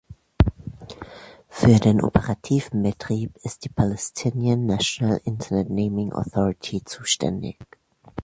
Für den operativen Betrieb ist die Palestinian National Internet Naming Authority zuständig.